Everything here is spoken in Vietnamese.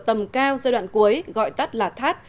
tầm cao giai đoạn cuối gọi tắt là thắt